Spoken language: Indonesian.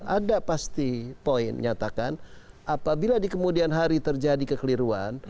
ada pasti poin nyatakan apabila di kemudian hari terjadi kekeliruan